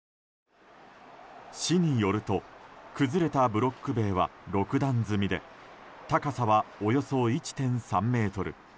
市によると崩れたブロック塀は６段積みで高さは、およそ１．３ｍ。